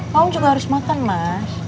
kaum juga harus makan mas